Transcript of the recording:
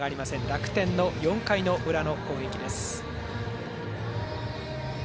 楽天の４回の裏の攻撃です。